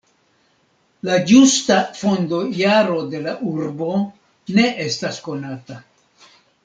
La ĝusta fondo-jaro de la urbo ne estas konata.